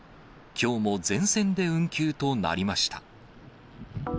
きょうも全線で運休となりました。